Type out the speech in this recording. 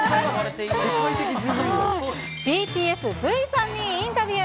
ＢＴＳ・Ｖさんにインタビュー。